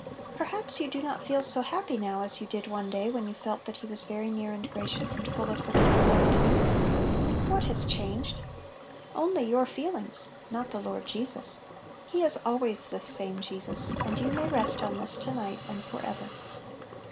Perhaps you do not feel so happy now as you did one day when you felt Little Pillows. 49 that He was very near and gracious, and full of forgiving love to you? What has changed? Only your feel ings, not the Lord Jesus. He is always "this same Jesus"; and you may rest on this to night, and forever.